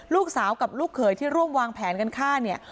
ลูกสาวกับลูกเขยที่ร่วมวางแผนกันฆ่าเนี่ย